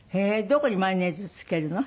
どこにマヨネーズつけるの？